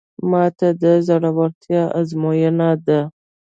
ماته د زړورتیا ازموینه ده.